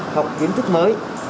học kiến thức mới